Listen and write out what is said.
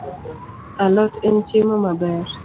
Alot en chiemo maber